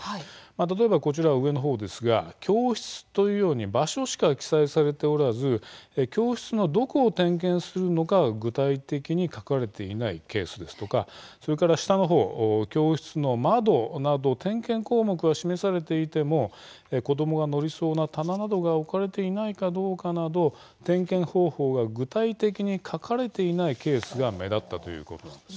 例えば、こちら上の方ですが教室というように場所しか記載しておらず教室のどこを点検するのか具体的に書かれていないケースですとかそれから下の方、教室の窓など点検項目は示されていても子どもが乗りそうな棚などが置かれていないかどうかなど点検方法が具体的に書かれていないケースが目立ったということなんです。